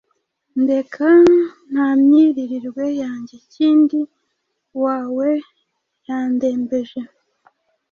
Ndeka nta myiririrwe yanjye Kindi wawe yandembeje!